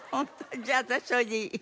じゃあ私それでいい。